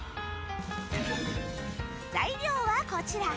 材料はこちら。